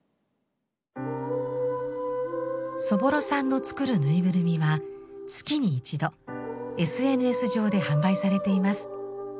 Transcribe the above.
そぼろさんの作るぬいぐるみは月に一度ＳＮＳ上で販売されています。